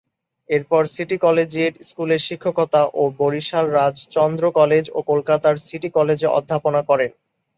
এরপর city collegiate স্কুলে শিক্ষকতা ও বরিশাল রাজচন্দ্র কলেজ ও কলকাতার সিটি কলেজে অধ্যাপনা করেন।